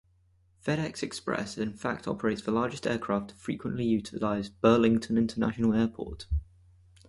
FedEx Express in fact operates the largest aircraft to frequently utilize Burlington International Airport.